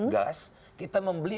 gas kita membeli